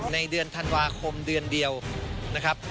ในเดือนธันวาคมเดือนเดียวนะครับ